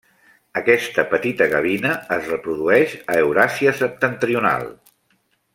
Aquesta petita gavina es reprodueix a Euràsia Septentrional.